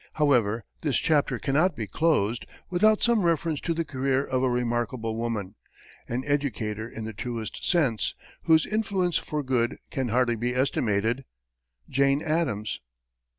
However, this chapter cannot be closed without some reference to the career of a remarkable woman, an educator in the truest sense, whose influence for good can hardly be estimated Jane Addams.